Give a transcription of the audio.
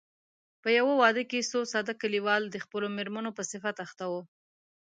په يوه واده کې څو ساده کليوال د خپلو مېرمنو په صفت اخته وو.